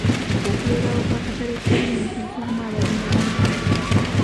Okubeerawo kw'akatale k'ebirime kizzaamu abalimi amaanyi.